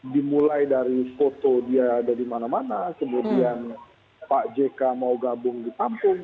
dimulai dari foto dia dari mana mana kemudian pak jk mau gabung di tampung